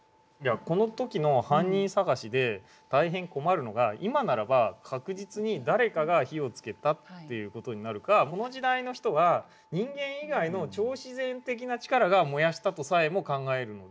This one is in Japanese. この時の犯人捜しで大変困るのが今ならば確実に誰かが火をつけたっていう事になるかこの時代の人は人間以外の超自然的な力が燃やしたとさえも考えるので。